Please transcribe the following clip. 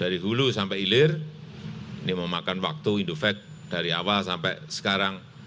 dari dulu sampai ilir ini memakan waktu indovac dari awal sampai sekarang